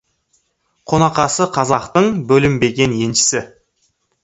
Қонақасы қазақтың бөлінбеген еншісі.